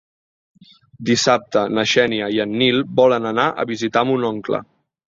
Dissabte na Xènia i en Nil volen anar a visitar mon oncle.